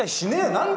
何だ